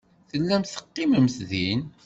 Tellamt teqqimemt din.